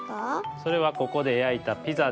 それはここでやいたピザです。